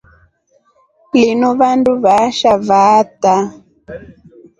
Linu vanduu vashaa vaataa.